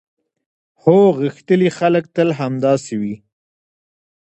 هو، غښتلي خلک تل همداسې وي.